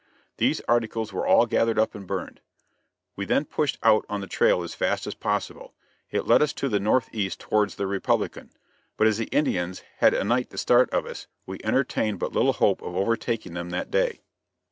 These articles were all gathered up and burned. We then pushed out on the trail as fast as possible. It led us to the northeast towards the Republican; but as the Indians had a night the start of us we entertained but little hope of overtaking them that day.